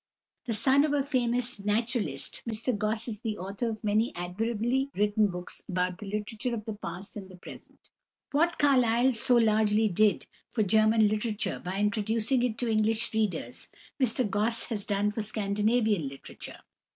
The son of a famous naturalist, Mr Gosse is the author of many admirably written books about the literature of the past and the present. What Carlyle so largely did for German literature by introducing it to English readers Mr Gosse has done for Scandinavian literature.